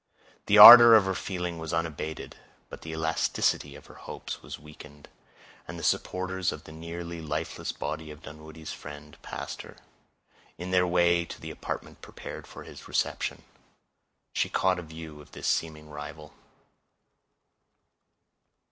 The ardor of her feelings was unabated, but the elasticity of her hopes was weakened. As the supporters of the nearly lifeless body of Dunwoodie's friend passed her, in their way to the apartment prepared for his reception, she caught a view of this seeming rival.